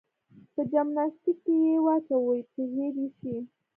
په جمناستيک کې يې واچوه چې هېر يې شي.